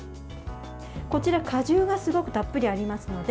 こちら、果汁がすごくたっぷりありますので